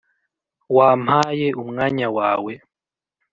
wampaye umwanya wawe,